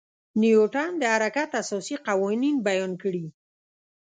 نیوټن د حرکت اساسي قوانین بیان کړي.